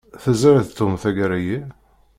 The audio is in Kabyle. Teẓriḍ Tom tagara-yi?